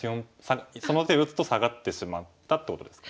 その手を打つと下がってしまったってことですか。